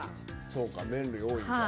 そうか麺類多いんか。